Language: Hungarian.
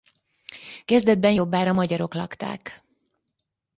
Kezdetben jobbára magyarok lakták.